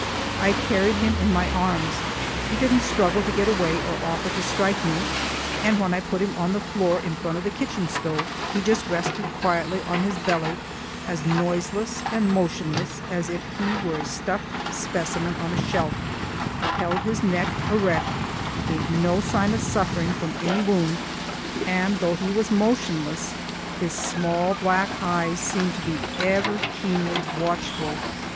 I carried him in my arms; he didn't struggle to get away or offer to strike me, and when I put him on the floor in front of the kitchen stove, he just rested quietly on his belly as noiseless and motionless as if he were a stuffed specimen on a shelf, held his neck erect, gave no sign of suffering from any wound, and though he was motionless, his small black eyes seemed to be ever keenly watchful.